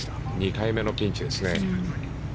２回目のピンチですね。